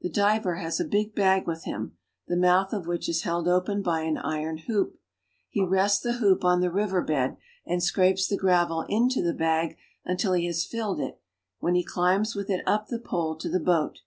The diver has a big bag with him, the mouth of which is held open by an iron hoop. He rests the hoop on the river bed, and scrapes the gravel into the bag until he has filled it, when he climbs with it up the pole to the boat.